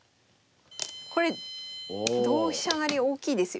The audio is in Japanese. これ同飛車成大きいですよ。